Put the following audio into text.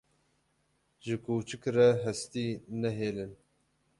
Ji kûçik re hestî nehêlin.